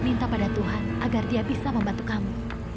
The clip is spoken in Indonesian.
minta pada tuhan agar dia bisa membantu kamu